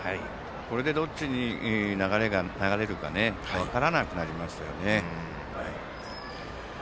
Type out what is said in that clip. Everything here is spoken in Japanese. これでどっちに流れが流れるか分からなくなりましたよね。